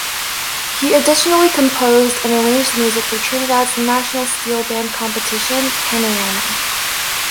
He additionally composed and arranged music for Trinidad's national steelband competition Panorama.